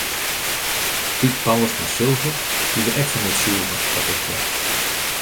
Piet Paulusma silger wie der ek fan oertsjûge dat it kin.